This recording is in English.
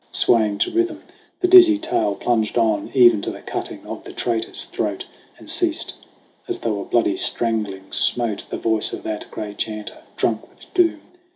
Swaying to rhythm the dizzy tale plunged on Even to the cutting of the traitor's throat, And ceased as though a bloody strangling smote The voice of that gray chanter, drunk with doom.